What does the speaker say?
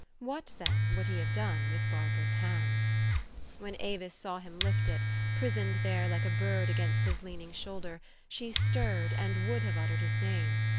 What, then, would he have done with Barbara's hand? When Avis saw him lift it, prisoned there like a bird against his leaning shoulder, she stirred, and would have uttered his name.